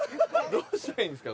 ・どうしたらいいんですか？